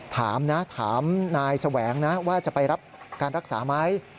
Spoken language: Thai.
ถามนะถามนายแสวงนะว่าจะไปรับการรักษาไหม